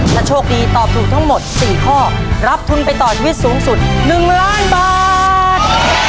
ถ้าโชคดีตอบถูกทั้งหมด๔ข้อรับทุนไปต่อชีวิตสูงสุด๑ล้านบาท